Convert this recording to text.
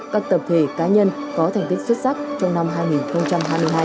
các tập thể cá nhân có thành tích xuất sắc trong năm hai nghìn hai mươi hai